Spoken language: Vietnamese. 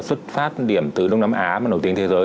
xuất phát điểm từ đông nam á mà nổi tiếng thế giới